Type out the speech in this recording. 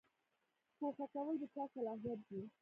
ګوښه کول د چا صلاحیت دی؟